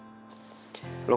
lagi baca buku mon